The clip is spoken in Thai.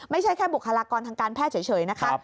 ไม่ใช่แค่บุคลากรทางการแพทย์เฉยนะคะ